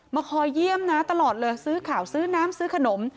มาคอยเยี่ยมนะตลอดเลยซื้อข่าวซื้อน้ำซื้อขนม